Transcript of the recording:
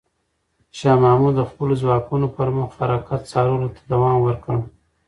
شاه محمود د خپلو ځواکونو پر مخ حرکت څارلو ته دوام ورکړ.